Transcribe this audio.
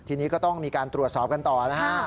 ทีนี้ก็ต้องมีการตรวจสอบกันต่อนะฮะ